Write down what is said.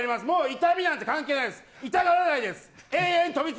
痛みなんて関係ないです